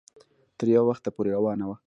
تر يو وخته پورې روانه وه